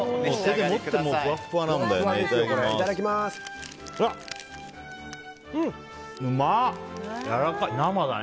手で持ってもふわっふわなんだよね。